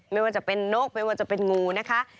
ไม่ว่าจะเป็นนกไม่ว่าจะเป็นงูนะคะ